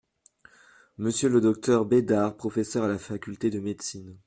Monsieur le Dr Bédart, professeur à la Faculté de médecine.